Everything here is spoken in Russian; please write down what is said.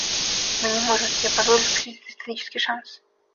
Мы не можем себе позволить упустить этот исторический шанс.